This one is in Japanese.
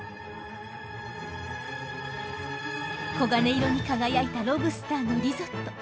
黄金色に輝いたロブスターのリゾット。